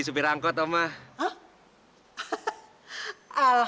sekarang keamah terus